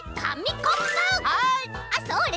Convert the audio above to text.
「あっそれ」